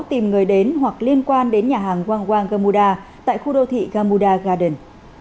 tìm người đến hoặc liên quan đến nhà hàng wang wang gamuda tại khu đô thị gamuda garden